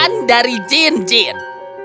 danis tuan dari jinjin